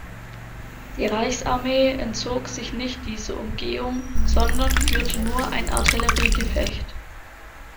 Die Reichsarmee entzog sich nicht dieser Umgehung, sondern führte nur ein Artilleriegefecht.